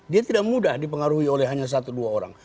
dia tidak mudah dipengaruhi oleh hanya satu dua orang